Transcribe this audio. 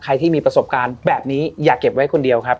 ใครที่มีประสบการณ์แบบนี้อย่าเก็บไว้คนเดียวครับ